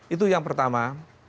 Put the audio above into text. itu yang pertama